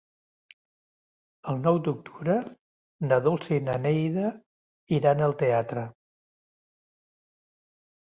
El nou d'octubre na Dolça i na Neida iran al teatre.